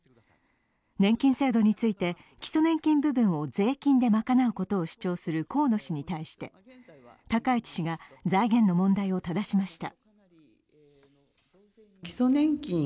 年金制度について基礎年金部分で税金で賄うことを主張する河野氏に対して高市氏が財源の問題をただしました。